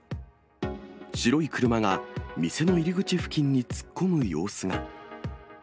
白い車が店の入り口付近に突っ込む様子が。